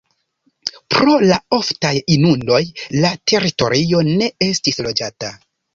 Pro la oftaj inundoj la teritorio ne estis loĝata.